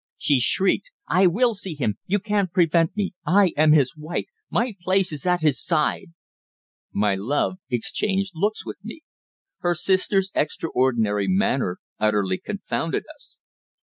she shrieked. "I will see him! You can't prevent me. I am his wife. My place is at his side!" My love exchanged looks with me. Her sister's extraordinary manner utterly confounded us.